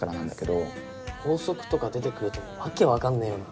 法則とか出てくると訳分かんねえよな。